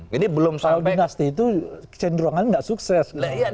kalau berdinasti itu cenderungan nggak sukses